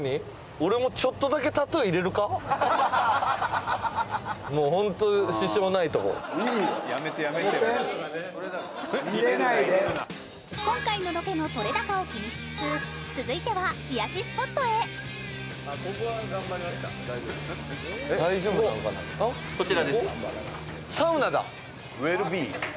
俺も今回のロケの撮れ高を気にしつつ続いては癒やしスポットへこちらです。